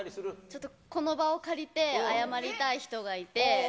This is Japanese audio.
ちょっと、この場を借りて謝りたい人がいて。